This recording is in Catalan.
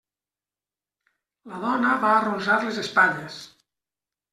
La dona va arronsar les espatlles.